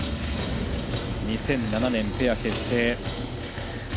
２００７年ペア結成。